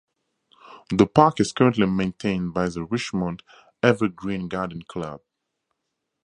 The park is currently maintained by the Richmond Ever-Green Garden Club.